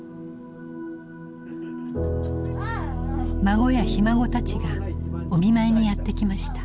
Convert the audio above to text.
孫やひ孫たちがお見舞いにやって来ました。